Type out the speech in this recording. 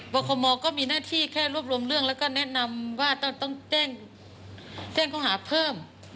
คมก็มีหน้าที่แค่รวบรวมเรื่องแล้วก็แนะนำว่าต้องแจ้งเขาหาเพิ่ม